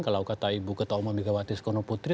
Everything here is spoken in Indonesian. kalau kata ibu ketua umum mika wadis konoputri